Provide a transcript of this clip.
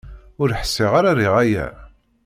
Ur ḥṣiɣ ara riɣ aya.